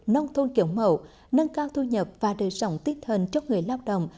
nông thôn kiểu mẫu nâng cao thu nhập và đưa sổng tích hình cho người lao động